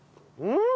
うん。